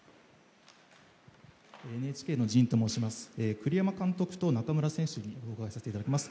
栗山監督と中村選手にお伺いさせていただきます。